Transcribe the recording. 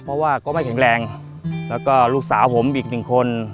เพราะว่าก็ไม่แข็งแรงแล้วก็ลูกสาวผมอีกหนึ่งคน